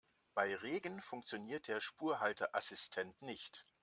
Bei Regen funktioniert der Spurhalteassistent nicht.